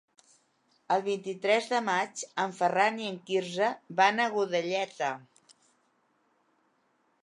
El vint-i-tres de maig en Ferran i en Quirze van a Godelleta.